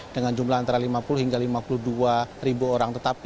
dengan jumlah antara lima puluh hingga lima puluh dua ribu orang